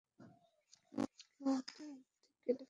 কেউ আগেই এটার অর্ধেক কেটে ফেলেছে।